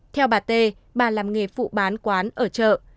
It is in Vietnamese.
theo bà t bà làm nghề phụ bán quán ở chợ